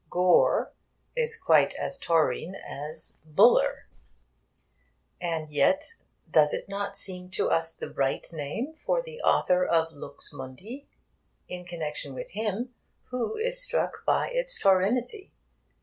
'Gore' is quite as taurine as 'Buller,' and yet does it not seem to us the right name for the author of Lux Mundi? In connection with him, who is struck by its taurinity?